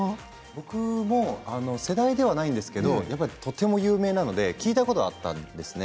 僕も世代ではないんですけどとても有名なので聴いたことはあったんですね。